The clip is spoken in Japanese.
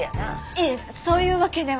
いえそういうわけでは。